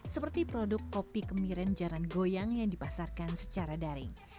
seperti produk kopi kemiren jalan goyang yang dipasarkan secara daring